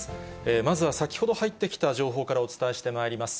まずは先ほど入ってきた情報からお伝えしてまいります。